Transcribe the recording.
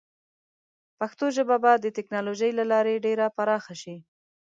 پښتو ژبه به د ټیکنالوجۍ له لارې ډېره پراخه شي.